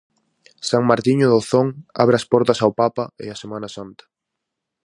San Martiño de Ozón abre as portas ao papa e á Semana Santa.